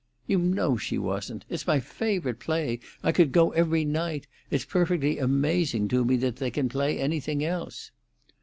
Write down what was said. "You know she wasn't. It's my favourite play. I could go every night. It's perfectly amazing to me that they can play anything else."